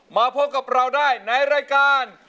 มาพบกับเราได้ในรายการ